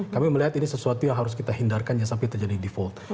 kami melihat ini sesuatu yang harus kita hindarkan ya sampai terjadi default